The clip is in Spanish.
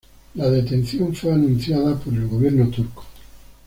La detención fue anunciado por el gobierno turco.